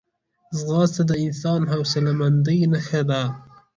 ځغاسته د انسان د حوصلهمندۍ نښه ده